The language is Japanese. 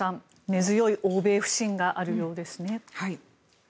根強い欧米不振があるようですね。